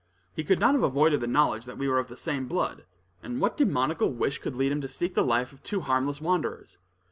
He could not have avoided the knowledge that we were of the same blood, and what demoniacal wish could lead him to seek the life of two harmless wanderers?